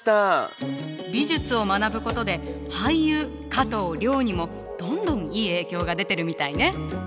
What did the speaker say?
美術を学ぶことで俳優加藤諒にもどんどんいい影響が出てるみたいね！